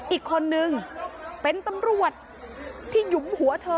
อีกคนนึงเป็นตำรวจที่หยุมหัวเธอ